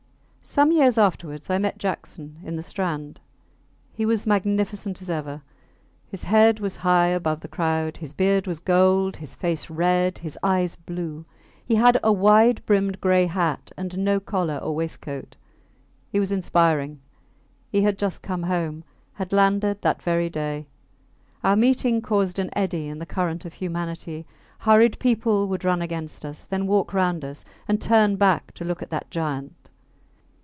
Some years afterwards I met Jackson, in the Strand. He was magnificent as ever. His head was high above the crowd. His beard was gold, his face red, his eyes blue; he had a wide brimmed gray hat and no collar or waistcoat; he was inspiring; he had just come home had landed that very day! Our meeting caused an eddy in the current of humanity. Hurried people would run against us, then walk round us, and turn back to look at that giant.